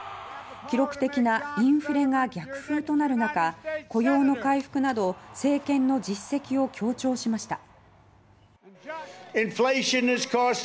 記録的なインフレが逆風となる中雇用の回復など政権の実績を強調しました。